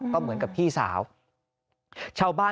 แม่พึ่งจะเอาดอกมะลิมากราบเท้า